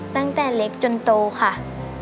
ตั้งแต่เล็กจนโตค่ะ